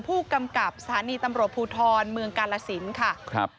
ผู้กำกับสถานีตำรวจภูทรเมืองกาลสินค่ะครับ